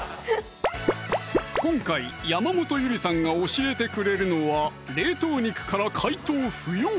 今回山本ゆりさんが教えてくれるのは冷凍肉から解凍不要！